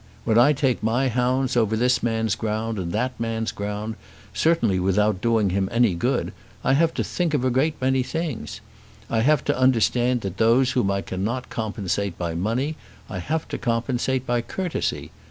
When I take my hounds over this man's ground, and that man's ground, certainly without doing him any good, I have to think of a great many things. I have to understand that those whom I cannot compensate by money, I have to compensate by courtesy.